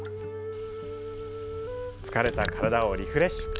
疲れた体をリフレッシュ。